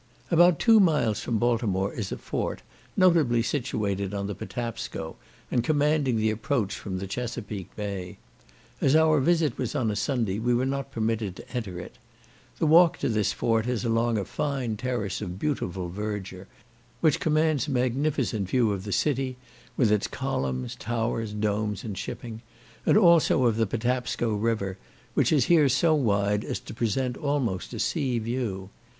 About two miles from Baltimore is a fort, nobly situated on the Patapsco, and commanding the approach from the Chesapeak bay. As our visit was on a Sunday we were not permitted to enter it. The walk to this fort is along a fine terrace of beautiful verdure, which commands a magnificent view of the city, with its columns, towers, domes, and shipping; and also of the Patapsco river, which is here so wide as to present almost a sea view.